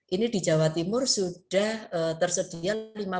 ini di jawa timur sudah tersedia lima belas lima ratus tiga puluh delapan